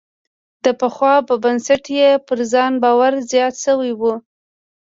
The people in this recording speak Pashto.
د پخوا په نسبت یې پر ځان باور زیات شوی و.